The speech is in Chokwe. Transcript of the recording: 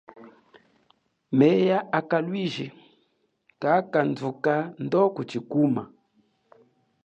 Myea a kalwiji kakadhuka ndo kuchikuma.